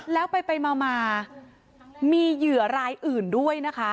แล้วไปมามีเหยื่อรายอื่นด้วยนะคะ